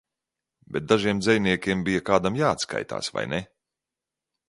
Bet dažiem dzejniekiem bija kādam jāatskaitās, vai ne?